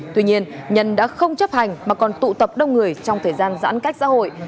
tuy nhiên nhân đã không chấp hành mà còn tụ tập đông người trong thời gian giãn cách xã hội